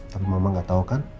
tapi mama gak tau kan